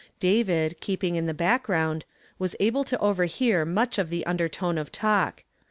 David, keeping in the background, was able to overhear nnudi of the undertone of talk.